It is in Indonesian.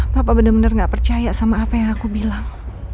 papa bener bener gak percaya sama apa yang aku bilang